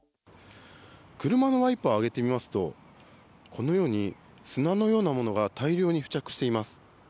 車のワイパーを上げてみますとこのように砂のようなものが大量に付着しています。